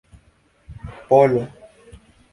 polo